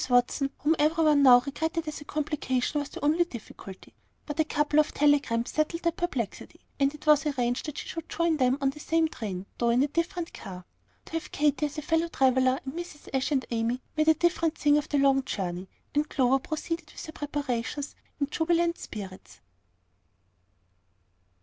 Watson, whom every one now regretted as a complication, was the only difficulty; but a couple of telegrams settled that perplexity, and it was arranged that she should join them on the same train, though in a different car. To have Katy as a fellow traveller, and Mrs. Ashe and Amy, made a different thing of the long journey, and Clover proceeded with her preparations in jubilant spirits.